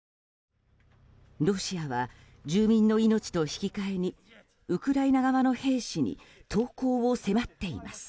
ロシアは住民の命と引き換えにウクライナ側の兵士に投降を迫っています。